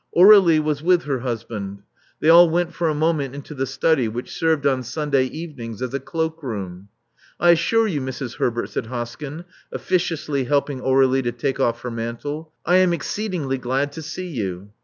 Aur^lie was with her husband. They all went for a moment into the study, which served on Sunday evenings as a cloak room. I assure you, Mrs. Herbert,*' said Hoskyn, officiously helping Aur^lie to take off her mantle, ! am exceedingly glad to see you."